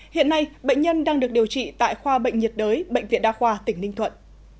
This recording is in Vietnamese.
hiện nay bệnh nhân đang được điều trị tại khoa bệnh nhiệt đới bệnh viện đa khoa tỉnh ninh thuận